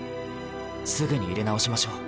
すぐにいれ直しましょう。